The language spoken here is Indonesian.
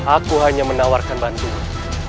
aku hanya menawarkan bantuan